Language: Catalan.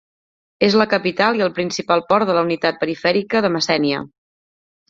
És la capital i el principal port de la unitat perifèrica de Messènia.